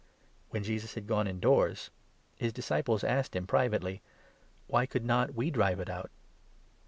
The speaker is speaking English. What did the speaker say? When Jesus 28 had gone indoors, his disciples asked him privately :" Why could not we drive it out